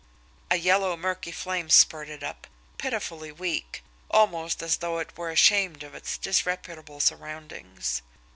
A yellow, murky flame spurted up, pitifully weak, almost as though it were ashamed of its disreputable surroundings.